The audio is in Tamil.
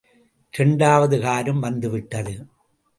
இரண்டாவது காரும் வந்துவிட்டது.